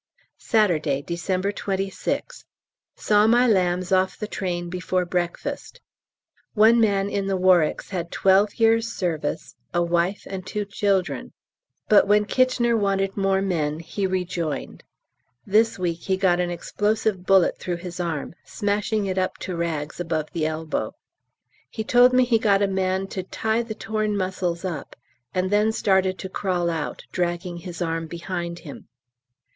Saturday, December 26th. Saw my lambs off the train before breakfast. One man in the Warwicks had twelve years' service, a wife and two children, but "when Kitchener wanted more men" he re joined. This week he got an explosive bullet through his arm, smashing it up to rags above the elbow. He told me he got a man "to tie the torn muscles up," and then started to crawl out, dragging his arm behind him.